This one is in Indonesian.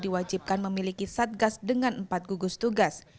diwajibkan memiliki satgas dengan empat gugus tugas